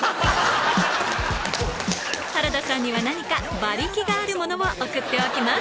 原田さんには何か馬力があるものを送っておきます